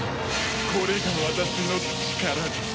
これが私の力です。